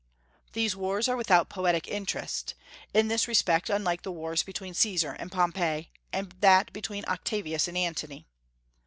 These wars are without poetic interest, in this respect unlike the wars between Caesar and Pompey, and that between Octavius and Antony.